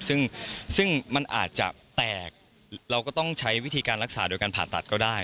ซึ่งมันอาจจะแตกเราก็ต้องใช้วิธีการรักษาโดยการผ่าตัดก็ได้